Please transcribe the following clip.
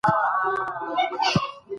لوښي پاک او وچ وساتئ.